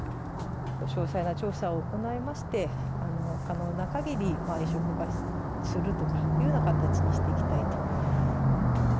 詳細な調査を行いまして、可能なかぎり、移植するとかというような形にしていきたいと。